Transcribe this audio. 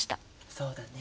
そうだね。